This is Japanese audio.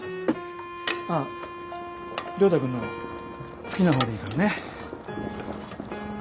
あぁ良太君の好きなほうでいいからね。